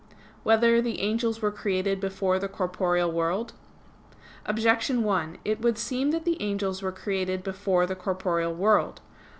3] Whether the Angels Were Created Before the Corporeal World? Objection 1: It would seem that the angels were created before the corporeal world.